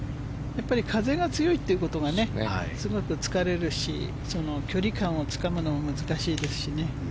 風が強いということがすごく疲れるし距離感をつかむのも難しいですしね。